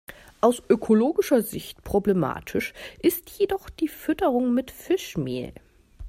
Aus ökologischer Sicht problematisch ist jedoch die Fütterung mit Fischmehl.